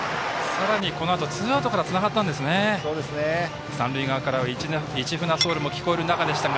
さらに、このあとツーアウトからつながりました。